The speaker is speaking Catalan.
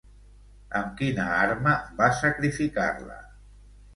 Amb quina arma va sacrificar-la?